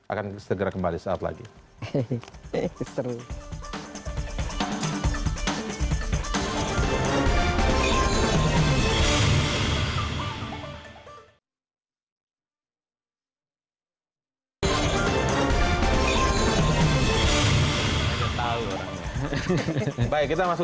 akan segera kembali setelah itu